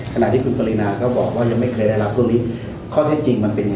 ขณะที่คุณปรินาก็บอกว่ายังไม่เคยได้รับพวกนี้ข้อเท็จจริงมันเป็นยังไง